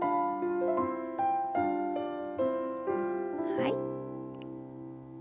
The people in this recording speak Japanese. はい。